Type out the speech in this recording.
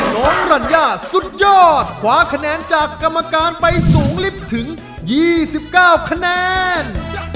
รัญญาสุดยอดคว้าคะแนนจากกรรมการไปสูงลิฟต์ถึง๒๙คะแนน